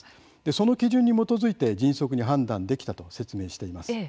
その基準に基づいて、迅速に判断できたと説明しています。